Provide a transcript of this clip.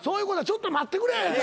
ちょっと待ってくれ。